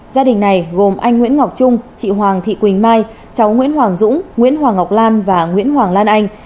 gia đình này gồm anh nguyễn ngọc trung chị hoàng thị quỳnh mai cháu nguyễn hoàng dũng nguyễn hoàng ngọc lan và nguyễn hoàng lan anh